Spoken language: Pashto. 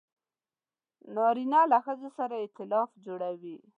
نارینه له ښځو سره ایتلاف جوړوي.